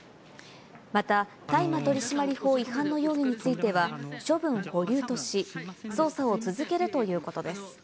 また大麻取締法違反の容疑については、処分保留とし、捜査を続けるということです。